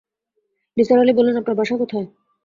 নিসার আলি বললেন, আপনার বাসা কোথায়?